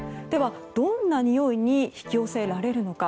どんなにおいに引き寄せられるのか。